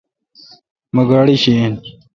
مہ گاڑی شی این۔